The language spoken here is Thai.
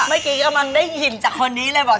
ไม่ได้ยินจากคนนี้เลยบอก